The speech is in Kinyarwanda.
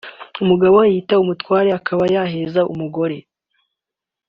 umugabo yiyita umutware akaba yaheza umugore